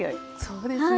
そうですね